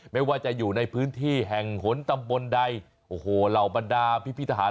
ไม่ว่าจะอยู่ในพื้นที่แห่งหนตำบลใดโอ้โหเหล่าบรรดาพิทหาร